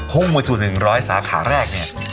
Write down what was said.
พ่วงมือสุดถึงร้อยสาขาแรกเนี่ย